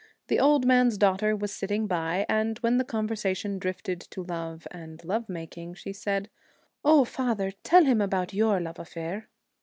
The old man's daughter was sitting by, and, when the conversation drifted to love and love making, she said, ' Oh, father, tell him about your love affair.'